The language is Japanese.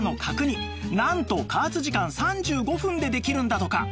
なんと加圧時間３５分でできるんだとか